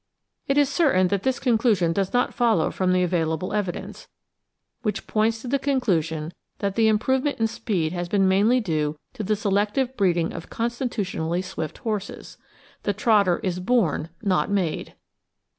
It is certain that this conclusion does not follow from the available evidence, which points to the con clusion that the improvement in speed has been mainly due to the selective breeding of constitutionally swift horses. The trotter is bom, not made.